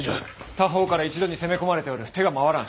多方から一度に攻め込まれておる手が回らぬ！